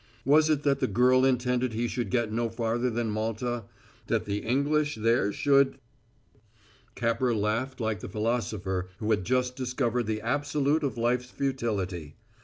Was it that the girl intended he should get no farther than Malta; that the English there should Capper laughed like the philosopher who has just discovered the absolute of life's futility.